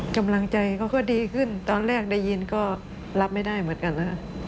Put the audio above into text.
กำลังใจเขาก็ดีขึ้นตอนแรกได้ยินก็รับไม่ได้เหมือนกันนะ